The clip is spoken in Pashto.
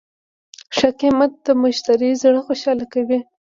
ښه قیمت د مشتری زړه خوشحاله کوي.